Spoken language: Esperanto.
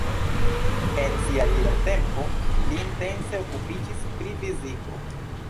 En sia libertempo, li intense okupiĝis pri fiziko.